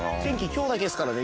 今日だけですからね